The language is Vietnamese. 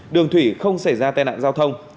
đường thủy không xảy ra tai nạn giao thông